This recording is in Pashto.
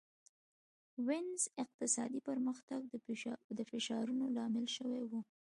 وینز اقتصادي پرمختګ د فشارونو لامل شوی و.